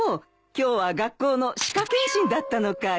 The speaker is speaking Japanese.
今日は学校の歯科検診だったのかい。